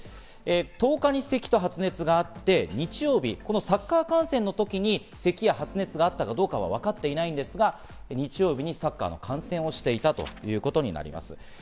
１０日に咳と発熱があって、日曜日、サッカー観戦の時に咳や発熱があったかどうかは分かっていないんですが日曜日にサッカーの観戦をしていたということになります。